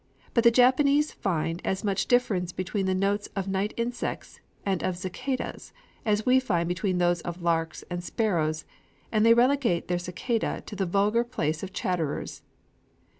But the Japanese find as much difference between the notes of night insects and of cicadæ as we find between those of larks and sparrows; and they relegate their cicadæ to the vulgar place of chatterers.